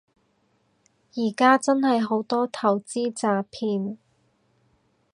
而家真係好多投資詐騙